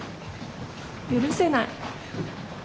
許せない。